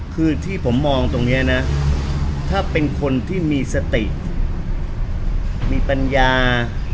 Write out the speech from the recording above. คือที่ผมมองตรงนี้นะถ้าเป็นคนที่มีสติมีปัญญา